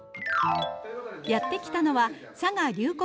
やって来たのは佐賀龍谷